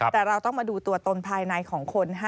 แต่เราต้องมาดูตัวตนภายในของคน